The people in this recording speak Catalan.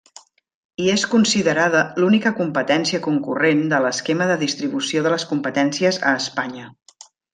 I és considerada l'única competència concurrent de l'esquema de distribució de les competències a Espanya.